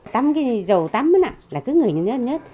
tắm cái dầu tắm là cứ ngửi như thế thôi